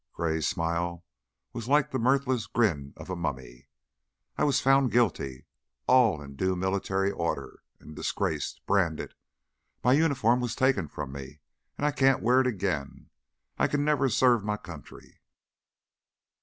Gray's smile was like the mirthless grin of a mummy. "I was found guilty, all in due military order, and disgraced, branded! My uniform was taken from me, and I can't wear it again. I can never again serve my country.